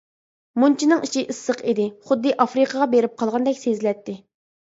مۇنچىنىڭ ئىچى ئىسسىق ئىدى-خۇددى ئافرىقىغا بېرىپ قالغاندەك سېزىلەتتى.